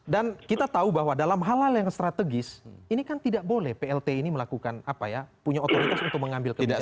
dan kita tahu bahwa dalam hal halal yang strategis ini kan tidak boleh plt ini melakukan apa ya punya otoritas untuk mengambil kebijakan